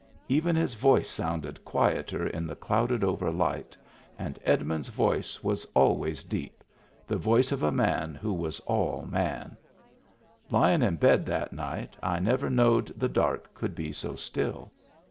Even his voice sounded quieter in the clouded over light, and Edmund's voice was always deep — the voice of a man who was all man. Lyin' in bed that night I never knowed the dark could be so still.